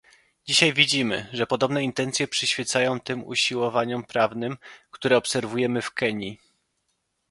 Dzisiaj widzimy, że podobne intencje przyświecają tym usiłowaniom prawnym, które obserwujemy w Kenii